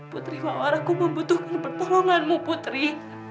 putri mawar aku membutuhkan pertolonganmu putri